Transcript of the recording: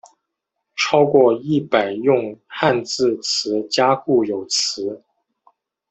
超过一百用汉字词加固有词。